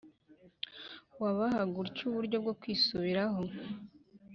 wabahaga utyo uburyo bwo kwisubiraho.